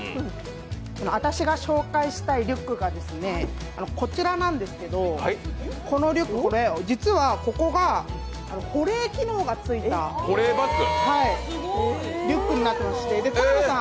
あたしが紹介したいリュックがこちらなんですけど実はここが保冷機能が付いたリュックになってまして、田辺さん